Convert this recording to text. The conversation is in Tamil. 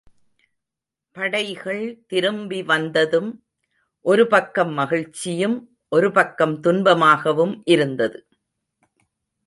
படைகள் திரும்பி வந்ததும், ஒரு பக்கம் மகிழ்ச்சியும் ஒரு பக்கம் துன்பமாகவும் இருந்தது.